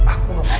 aku gak mau